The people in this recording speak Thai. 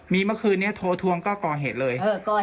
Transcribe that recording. มีเมื่อคืนนี้โทรทวงก็ก่อเหตุเลย